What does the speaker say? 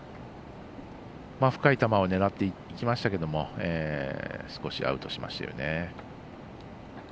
深い球を狙っていきましたけど少しアウトしましたよね。